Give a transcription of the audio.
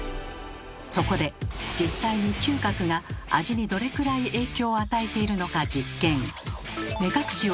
そこで実際に嗅覚が味にどれくらい影響を与えているのか実験。